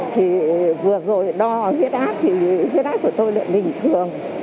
thì vừa rồi đo huyết ác thì huyết ác của tôi lại bình thường